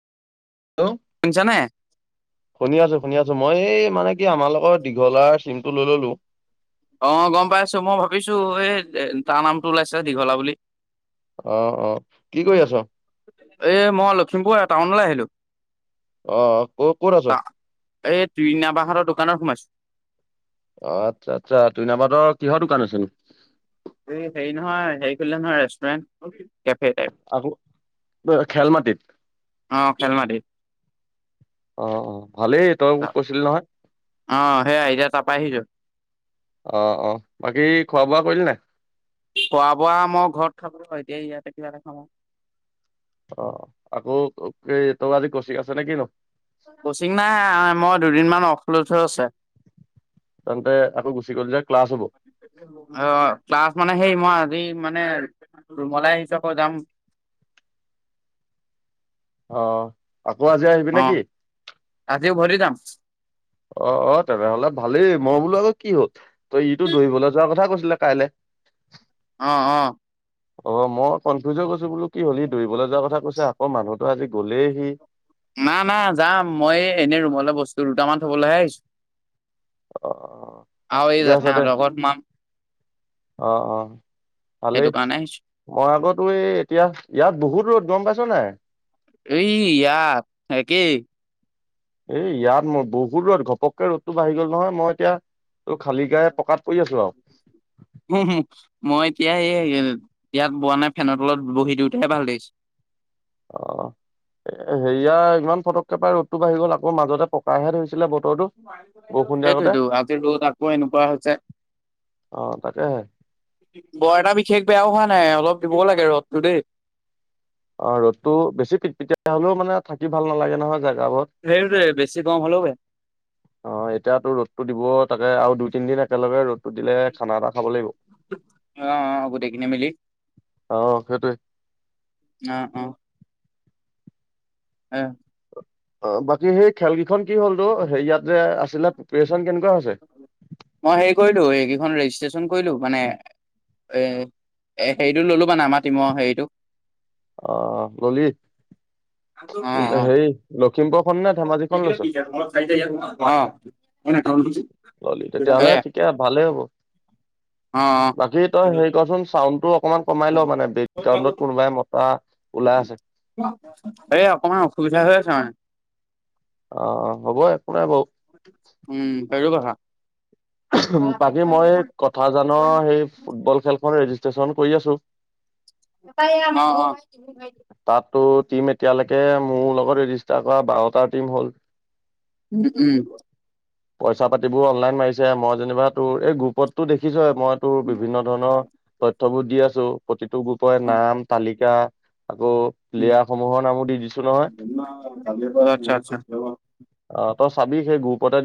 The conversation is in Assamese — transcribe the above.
হেল্ল'। শুনিছানে? শুনি আছো শুনি আছো মই এই মানে কি আমাৰ লগৰ দীঘলাৰ চিমটো লৈ ললোঁ অ', গম পাইছো মই ভাবিছো এই তাৰ নামটো ওলাইছে দীঘলা বুলি অ', অ', কি কৰি আছ? এই মই লখিমপুৰ টাউনলৈ আহিলো। অ', ক ক'ত আছ? এই টুহিনা বাহতৰ দোকানত সোমাইছো। অ', আচ্ছা আচ্ছা তুইনা বাহতৰ কিহৰ দোকান আছেনো? এই হেৰি নহয় হেৰি খুলিলে নহয় ৰেষ্টুৰেণ্ট কেফে টাইপ আকৌ খেল মাটিত অ', খেলমাটিত অ', অ', ভালেই তই মোক কৈছিলি নহয়। অ' সেয়া এতিয়া তাৰপা আহিছো অ', অ', বাকী খোৱা বোৱা কৰিলি নাই? খোৱা বোৱা মই ঘৰত খাবলৈ নাই এই ইয়াতে কিবা এটা খাওঁ আৰু অ আকৌ তোৰ আজি কোচিং আছে নে কিনো কোচিং নাই মই দুদিনমান অফ লৈ থৈ আছে [inaudible] আকৌ গুচি গলি যে ক্লাছ হ'ব। আহ ক্লাছ মানে সেই মই মানে ৰুমলে আহিছো আকৌ যাম অ আকৌ আজি আহিবি অ' নেকি আজি উভতি যাম অ অ তেনেহলে ভালেই মই বোলো আকৌ কি হ'ল তই ইটো দৰিবলৈ যোৱা কথা কৈছিলে কাইলৈ অহ অহ অ মই কনফিউজ হৈ গৈছো বোলো কি হ'ল দৌৰিবলৈ যোৱাৰ কথা কৈছে আকৌ মানুহতো আজি গ'লেইহি না না যাম মই এনেই ৰুমলৈ বস্তু দুটামান থ'বলৈহে আহিছো। অ'। আৰু এই ঠিকে আছে দে জেঠাইহঁতৰ ঘৰত সোমাম। অ', অ'। ভালে, সেইটো কাৰণে আহিছো মই আগতো এই এতিয়া ইয়াত বহুত ৰ'দ গ'ম পাইছ নাই। এই ইয়াত, একেই। এ ইয়াত মোৰ বহুত ৰ'দ ঘপককৈ ৰ'দতটো বাঢ়ি গ'ল নহয় মই এতিয়া খালী গাৰে পকাত পৰি আছো আৰু। মই এতিয়া এই ইয়াত বোৱা নাই ফেনৰ তলত বহি দিওঁতাইে ভাল লাগিছে। অ'। এ হেয়া ইমান ফটককে পাই ৰ'দতটো বাঢ়ি গ'ল আকৌ মাজতে পকাহে ধৰিছিল সেইটোয়ো আজি ৰ'ত আকৌ এনেকুৱা হৈছে। অ তাকেহে বৰ এটা বিশেষ বেয়াও হোৱা নাই অলপ দিব লাগে ৰ'দটো দেই। অ', ৰ'দটো বেছি পিত পিতিয়া হ'লেও মানে থাকি ভাল নালাগে নহয়। জেগাবোৰত সেইটোৱেই বেছি গৰম হ'লেও বেয়া। অ' এতিয়াতো ৰ'দটো দিব তাকে আৰু দুই তিনদিন একেলগে ৰ'দতো দিলে খানা এটা খাব লাগিব। অ', অ', গোটেইখিনি মিলি। অ' সেইটোৱে। অ অ এ। অ', বাকী সেই খেল কেইখন কি হ'লনো হেৰি ইয়াত যে আছিলে প্ৰিপৰেচন কেনেকুৱা হৈছে। মই হেৰি কৰিলো এইকেইখন ৰেজিষ্ট্ৰেচন কৰিলো মানে। এ, এ হেৰিটো ল'লো মানে আমাৰ টিমৰ হেৰিটো। অ' ল'লি? অ অ হেৰি লখিমপুৰৰখন অ নে ধেমাজিখন লৈছ। ল'লি তেতিয়াহ'লে এয়া ঠিকে ভালেই হ'ব। অ অ বাকী তই হেৰি কচোন চাউণ্ডটো অকমান কমাই লওঁ মানে বেকগ্ৰাউণ্ডত কোনোবাই মতা ওলাই আছে। এই অকমান অসুবিধা হৈ আছে মানে। অ' হ'ব একো নাই বাৰু। [unintelligible] বাকী মই কথা জানো সেই ফুটবল খেলখন ৰেজিষ্ট্ৰেশচন কৰি আছো। [unintelligible] তাতো অ'-অ'। টিম এতিয়ালৈকে মোৰ লগত ৰেজিষ্টাৰ কৰা বাৰটা টীম হ'ল। উম-উম। পইচা পাতিবোৰ অনলাইন মাৰিছে মই যেনিবা তোৰ এই গ্ৰুপতটো দেখিছই। মইতো বিভিন্ন ধৰণৰ তথ্যবোৰ দি আছো প্ৰতিটো গ্ৰুপৰে উম নাম তালিকা আকৌ উম লেয়া সমূহৰ নামো দি দিছো নহয়। অ', আচ্ছা আচ্ছা তই চাবি সেই গ্ৰুপতে